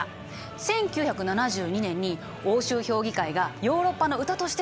１９７２年に欧州評議会がヨーロッパの歌として採択したんだよ。